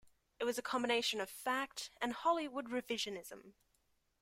It was a combination of fact and Hollywood revisionism.